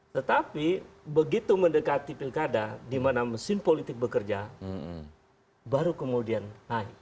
tetapi begitu mendekati pilkada di mana mesin politik bekerja baru kemudian naik